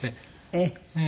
ええ。